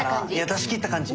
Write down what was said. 出し切った感じ。